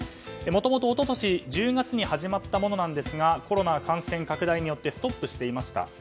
もともと一昨年１０月に始まったものなんですがコロナ感染拡大によってストップしていました。